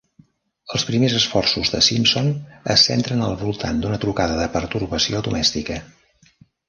Els primers esforços de Simpson es centren al voltant d'una trucada de pertorbació domèstica.